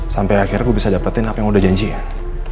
sampai akhir gue bisa dapetin apa yang udah janjiin